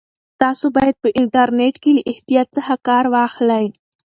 تاسو باید په انټرنیټ کې له احتیاط څخه کار واخلئ.